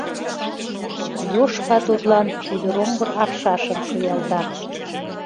Йошка тудлан кӱдыроҥгыр аршашым шуялта.